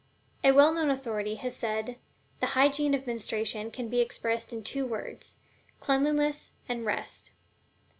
A well known authority has well said: "The hygiene of menstruation can be expressed in two words: CLEANLINESS AND REST."